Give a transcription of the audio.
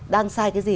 đang sai cái gì